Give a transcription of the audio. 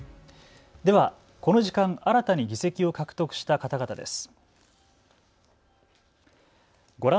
では、この時間、新たに議席を獲得した方々です。